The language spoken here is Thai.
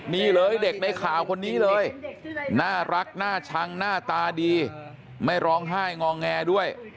นี่เลยเด็กในข่าวคนนี้เลยน่ารักน่าชังหน้าตาดีไม่ร้องไห้งอแงด้วย